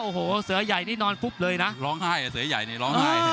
โอ้โหเสือใหญ่นี่นอนฟุบเลยนะร้องไห้เสือใหญ่นี่ร้องไห้